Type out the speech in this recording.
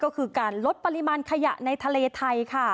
การลดปริมาณขยะในทะเลไทย